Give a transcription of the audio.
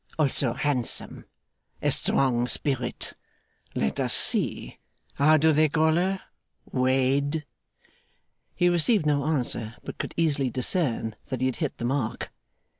Also handsome. A strong spirit. Let us see. How do they call her? Wade.' He received no answer, but could easily discern that he had hit the mark.